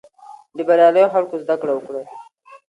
له بریالیو خلکو زده کړه وکړئ.